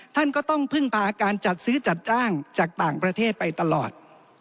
ท่านก็ต้องพึ่งพาการจัดซื้อจัดจ้างจากต่างประเทศไปตลอด